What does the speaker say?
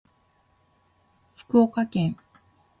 福岡県